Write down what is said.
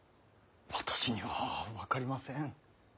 私には分かりません。